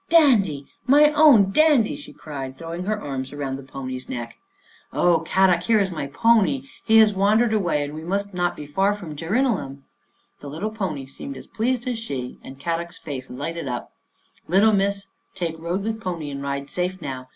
" Dandy, my own Dandy! " she cried, throw ing her arms around the pony's neck. " Oh, Kadok, here is my pony. He has wan dered away and we must be not far from Djer inallum !" The little pony seemed as pleased as she, and Kadok's face lighted up, " Little Missa take road with pony and ride safe now.